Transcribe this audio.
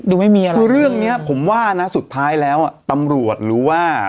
ไม่มีอะไรคือเรื่องเนี้ยผมว่านะสุดท้ายแล้วอ่ะตำรวจหรือว่า